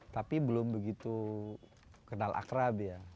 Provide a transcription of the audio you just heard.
tapi belum begitu kenal akrab ya